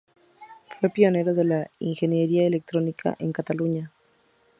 Fue pionero de la ingeniería electrónica en Cataluña.